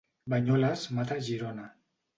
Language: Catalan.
Banyoles mata Girona.